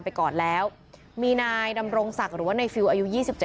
ไปก่อนแล้วมีนายดำรงศักดิ์หรือว่าในฟิลอายุ๒๗